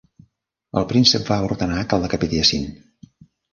El príncep va ordenar que el decapitessin.